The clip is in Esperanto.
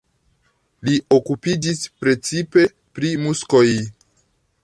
Li okupiĝis precipe pri muskoj.